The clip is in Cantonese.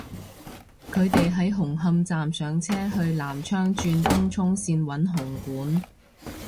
佢哋喺紅磡站上車去南昌轉東涌綫搵紅館